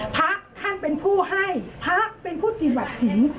พระท่านเป็นผู้ให้พระเป็นผู้ปฏิบัติสิน